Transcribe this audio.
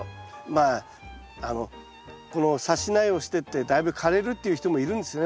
まあこのさし苗をしてってだいぶ枯れるっていう人もいるんですね